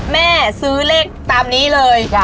แม่ซื้อเลขตามนี้เลย